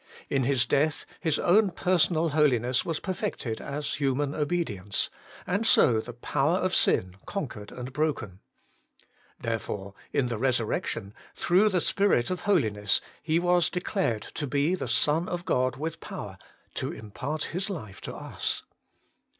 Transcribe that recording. In His death His own personal holiness was perfected as human obedience, and so the power of sin conquered and broken. Therefore in the resurrection, through the. Spirit of Holiness, He was declared to be the Son of God with power to impart His life to us.